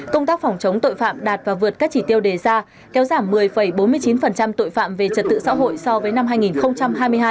công tác phòng chống tội phạm đạt và vượt các chỉ tiêu đề ra kéo giảm một mươi bốn mươi chín tội phạm về trật tự xã hội so với năm hai nghìn hai mươi hai